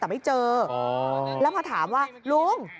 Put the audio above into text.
แต่ไม่เจอแล้วพอถามว่าลุง